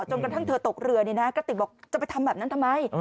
จนกระทั่งเธอตกเรือกระติกบอกจะไปทำแบบนั้นทำไม